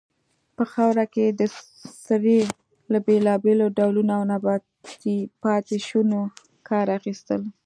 په خاوره کې د سرې له بیلابیلو ډولونو او نباتي پاتې شونو کار اخیستل.